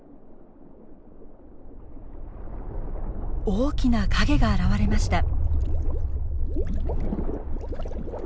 大きな影が現れました。